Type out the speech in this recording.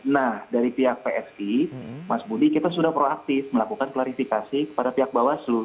nah dari pihak psi mas budi kita sudah proaktif melakukan klarifikasi kepada pihak bawaslu